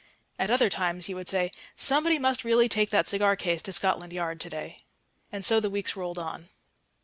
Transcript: At other times he would say, "Somebody must really take that cigar case to Scotland Yard to day." And so the weeks rolled on....